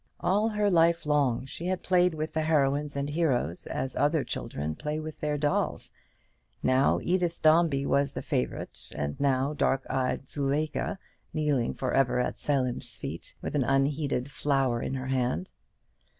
All her life long she had played with her heroines and heroes, as other children play with their dolls. Now Edith Dombey was the favourite, and now dark eyed Zuleika, kneeling for ever at Selim's feet, with an unheeded flower in her hand.